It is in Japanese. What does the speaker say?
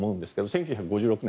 １９５６年